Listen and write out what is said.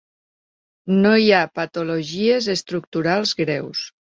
No hi ha patologies estructurals greus.